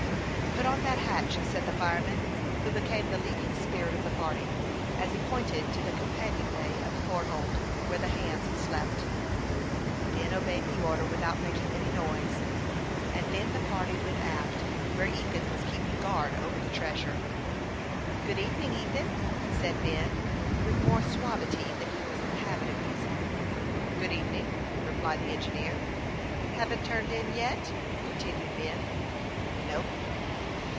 " Put on that hatch," said the fireman, who became the leading spirit of the party, as he pointed to the companion way of the fore hold, where the hands slept. THE YOUNG PILOT OF LAKE CHAMPLAIN. 283 Ben obeyed the order without making any noise, and then the party went aft, where Ethan was keeping guard over the treasure. " Good evening, Ethan," said Ben, with more suavity than he was in the habit of using. " Good evening," replied the engineer. " Haven't turned in yet ?" continued Ben. "No."